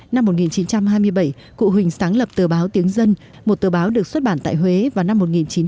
năm một nghìn chín trăm hai mươi bảy cụ huỳnh sáng lập tờ báo tiếng dân một tờ báo được xuất bản tại huế vào năm một nghìn chín trăm bảy mươi